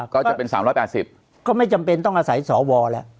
ก็จะเป็น๓๘๐ก็ไม่จำเป็นต้องอาศัยสวแล้ว